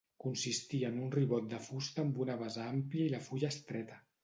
Consistia en un ribot de fusta amb una base àmplia i la fulla estreta.